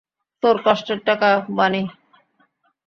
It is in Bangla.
তোর কষ্টের টাকা, বানি।